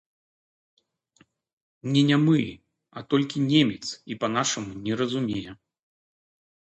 Не нямы, а толькі немец і па-нашаму не разумее.